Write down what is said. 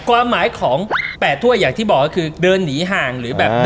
ความหมายของแปดถ้วยอยากที่บอกเลยคือเดินหนีห่าง